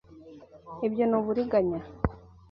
Ibyo ni uburiganya.